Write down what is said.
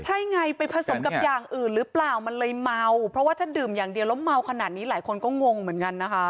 ใช่ไงไปผสมกับอย่างอื่นหรือเปล่ามันเลยเมาเพราะว่าถ้าดื่มอย่างเดียวแล้วเมาขนาดนี้หลายคนก็งงเหมือนกันนะคะ